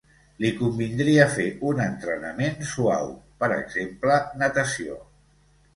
Li convindria fer un entrenament suau, per exemple natació.